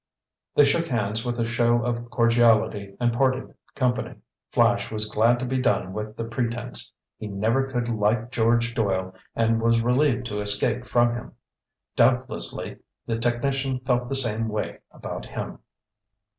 They shook hands with a show of cordiality and parted company. Flash was glad to be done with the pretense. He never could like George Doyle and was relieved to escape from him. Doubtlessly, the technician felt the same way about him.